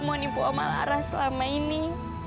mau nipu om malaras selama ini